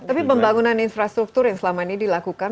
jadi pembangunan infrastruktur yang selama ini dilakukan